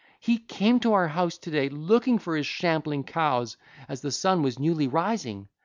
He came to our house to day looking for his shambling cows, as the sun was newly rising.